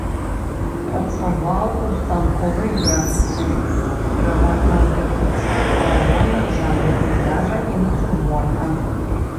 Працаваў у станковай графіцы пераважна ў тэхніцы акварэлі ў жанры пейзажа і нацюрморта.